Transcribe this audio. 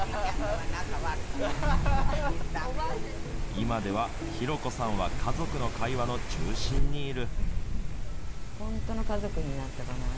今では、ひろこさんは家族の会話の中心にいる。